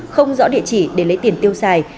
không rõ địa chỉ để lấy tiền tiêu xài